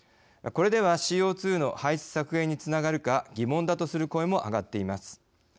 これではＣＯ２の排出削減につながるか疑問だとする声も上がっています。